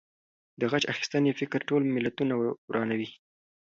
د غچ اخیستنې فکر ټول ملتونه ورانوي.